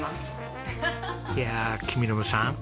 いやあ公伸さん